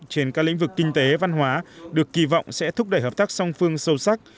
trên các lĩnh vực kinh tế văn hóa được kỳ vọng sẽ thúc đẩy hợp tác song phương sâu sắc